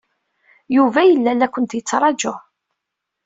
Yuba yella la ken-yettṛaju.